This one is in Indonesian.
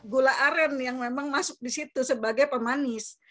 gula aren yang memang masuk di situ sebagai pemanis